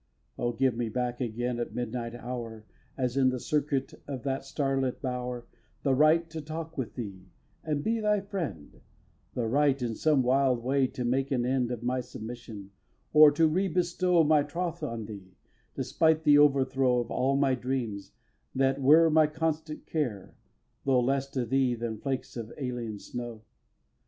iv. Oh, give me back again, at midnight hour, As in the circuit of that starlit bower, The right to talk with thee, and be thy friend, The right, in some wild way, to make an end Of my submission, or to re bestow My troth on thee, despite the overthrow Of all my dreams, that were my constant care, Though less to thee than flakes of alien snow.